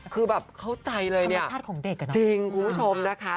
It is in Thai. คือแบบเข้าใจเลยเนี่ยจริงคุณผู้ชมนะคะ